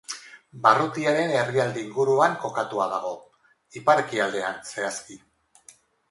Barrutiaren erdialde inguruan kokatua dago, ipar-ekialdean, zehazki.